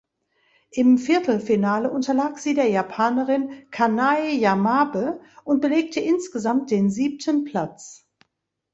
Im Viertelfinale unterlag sie der Japanerin Kanae Yamabe und belegte insgesamt den siebten Platz.